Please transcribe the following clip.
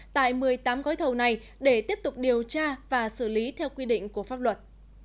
tại một mươi tám gói thầu này để tiếp tục điều tra và xử lý theo quy định của pháp luật